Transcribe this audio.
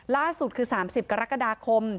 ล่าสุดคือ๓๐กรกฎาคม